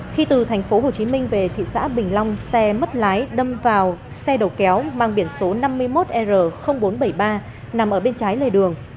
khi từ tp hcm về thị xã bình long xe mất lái đâm vào xe đầu kéo mang biển số năm mươi một r bốn trăm bảy mươi ba nằm ở bên trái lề đường